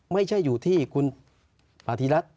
ไม่ใช่อยู่ที่คุณปฏิรัติ